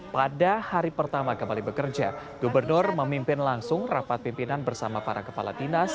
pada hari pertama kembali bekerja gubernur memimpin langsung rapat pimpinan bersama para kepala dinas